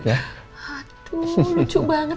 aduh lucu banget